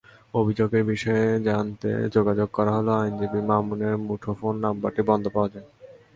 অভিযোগের বিষয়ে জানতে যোগাযোগ করা হলে আইনজীবী মামুনের মুঠোফোন নম্বরটি বন্ধ পাওয়া যায়।